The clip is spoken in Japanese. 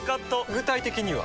具体的には？